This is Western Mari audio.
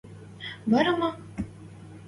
Вара ма?